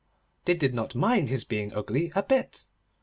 They did not mind his being ugly, a bit.